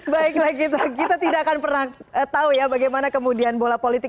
baiklah gitu kita tidak akan pernah tahu ya bagaimana kemudian bola politik